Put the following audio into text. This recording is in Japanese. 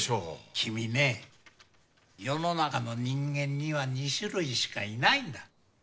君ね世の中の人間には２種類しかいないんだ。